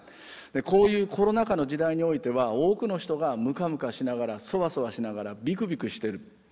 こういうコロナ禍の時代においては多くの人がムカムカしながらそわそわしながらビクビクしてる。